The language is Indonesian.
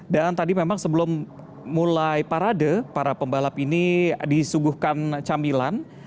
dan tadi memang sebelum mulai parade para pembalap ini disuguhkan camilan